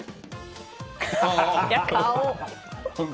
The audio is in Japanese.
顔！